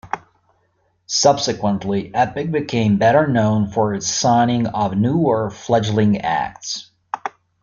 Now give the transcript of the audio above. Subsequently, Epic became better known for its signing of newer, fledgling acts.